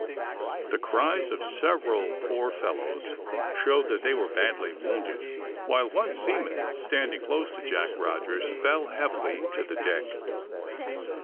The cries of several poor fellows showed that they were badly wounded, while one seaman, standing close to Jack Rogers, fell heavily to the deck.